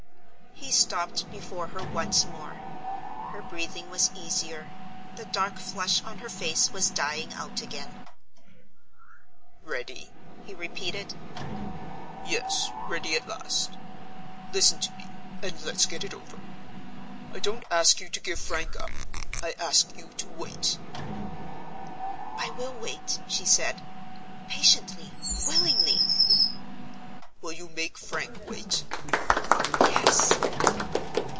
He stopped before her once more. Her breathing was easier; the dark flush on her face was dying out again. "Ready?" he repeated. "Yes; ready at last. Listen to me; and let's get it over. I don't ask you to give Frank up. I ask you to wait." "I will wait," she said. "Patiently, willingly." "Will you make Frank wait?" "Yes."